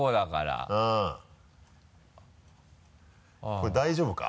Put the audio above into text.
これ大丈夫か？